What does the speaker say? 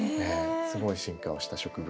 すごい進化をした植物です。